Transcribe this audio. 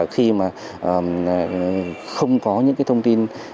khi mà không có những thông tin